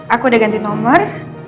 aku udah ganti nomor